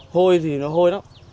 hôi thì nó hôi lắm